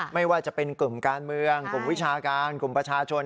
ไม่ว่าจะเป็นกลุ่มการเมืองกลุ่มวิชาการกลุ่มประชาชน